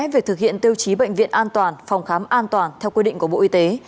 về thực hiện tiêu chí bệnh viện an toàn phòng khám an toàn theo quy định của bộ y tế